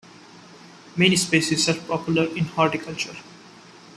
Many species are popular in horticulture.